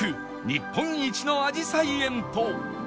日本一のあじさい園と